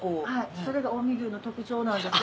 それが近江牛の特長なんです。